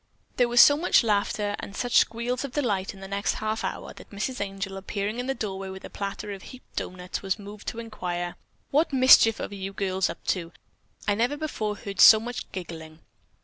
There was so much laughter and such squeels of delight in the next half hour that Mrs. Angel, appearing in the doorway with a platter heaped with doughnuts, was moved to inquire: "What mischief are you girls up to? I never before heard so much giggling."